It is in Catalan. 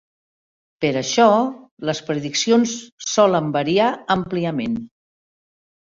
Per això les prediccions solen variar àmpliament.